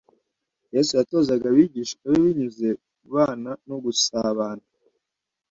Yesu yatozaga abigishwa be binyuze mu kubana no gusabana.